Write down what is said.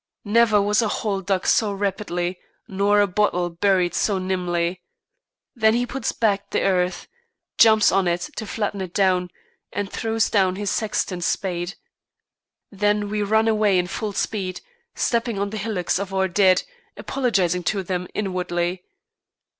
Never was a hole dug so rapidly nor a bottle buried so nimbly. Then he puts back the earth, jumps on it to flatten it down, and throws down his sexton's spade. Then we run away at full speed, stepping on the hillocks of our dead, apologising to them inwardly.